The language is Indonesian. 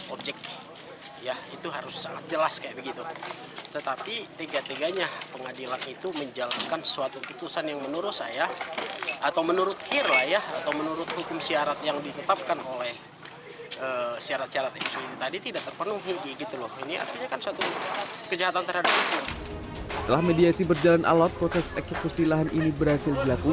objek ya itu harus sangat jelas kayak begitu